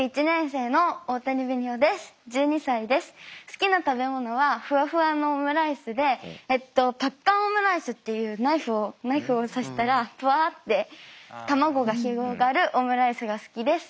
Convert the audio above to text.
好きな食べ物はふわふわのオムライスでパッカンオムライスっていうナイフをナイフを刺したらふわって卵が広がるオムライスが好きです。